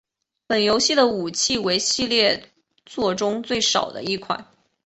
本游戏的武器为系列作中最少的一款。